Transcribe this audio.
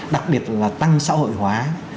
đặc biệt là tăng xã hội hóa